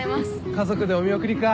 家族でお見送りか。